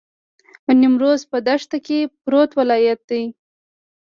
نیمروز په دښت کې پروت ولایت دی.